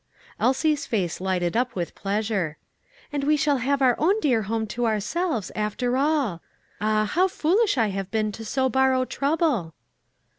Elsie's face lighted up with pleasure. "And we shall have our own dear home to ourselves, after all! Ah, how foolish I have been to so borrow trouble."